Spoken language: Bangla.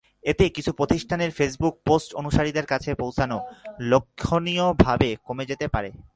এতে কিছু প্রতিষ্ঠানের ফেসবুক পোস্ট অনুসারীদের কাছে পৌঁছান লক্ষণীয়ভাবে কমে যেতে পারে।